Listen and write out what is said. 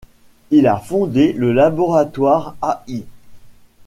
Il a fondé le laboratoire Al.